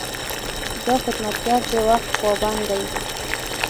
دا خدمتګر د وخت پابند دی.